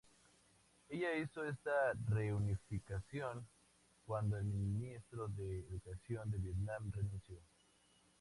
Ella hizo esta reunificación cuando el ministro de educación de Vietnam renunció.